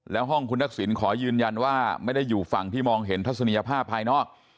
แล้วห้องคุณทักษิณขอยืนยันว่าไม่ได้อยู่ฝั่งที่มองเห็นทัศนียภาพภายนอก